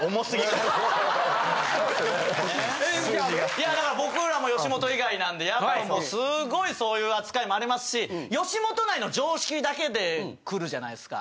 いやだから僕らも吉本以外なんでやっぱりもうすごいそういう扱いもありますし吉本内の常識だけでくるじゃないですか。